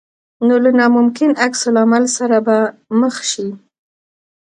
نو له ناممکن عکس العمل سره به مخ شې.